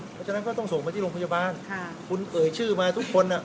เพราะฉะนั้นก็ต้องส่งไปที่โรงพยาบาลคุณเอ่ยชื่อมาทุกคน